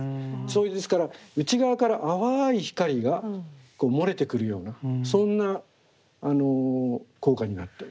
ですから内側から淡い光が漏れてくるようなそんな効果になってる。